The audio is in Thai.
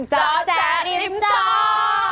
เจ้าแจ๊กริมเจ้า